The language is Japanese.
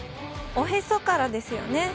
おヘソからですよね。